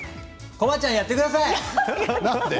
駒ちゃんやってください！